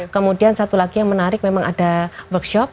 kemudian satu lagi yang menarik memang ada workshop